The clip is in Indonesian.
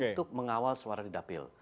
untuk mengawal suara di dapil